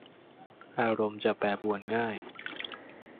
อารมณ์จะแปรปรวนง่าย